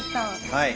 はい。